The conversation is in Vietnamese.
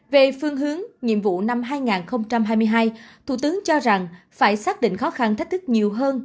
về phương hướng nhiệm vụ năm hai nghìn hai mươi hai thủ tướng cho rằng phải xác định khó khăn thách thức nhiều hơn